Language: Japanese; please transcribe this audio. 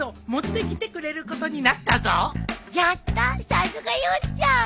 さすがヨッちゃん。